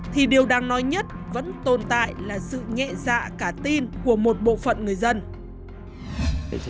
tồn tại là sự nhẹ dạ cả tin của một bộ phận người dân